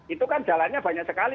itu kan jalannya banyak sekali